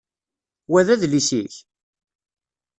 Wa d adlis-ik?